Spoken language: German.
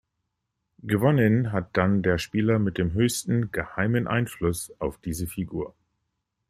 Gewonnen hat dann der Spieler mit dem höchsten "geheimen Einfluss" auf diese Figur.